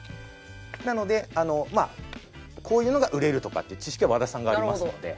なのでこういうのが売れるとかって知識は和田さんがありますので。